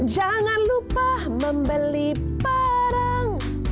jangan lupa membeli parang